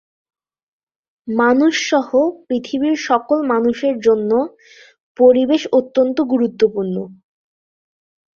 মানুষসহ পৃথিবীর সকল মানুষের জন্য পরিবেশ অত্যন্ত গুরুত্বপূর্ণ।